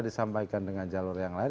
disampaikan dengan jalur yang lain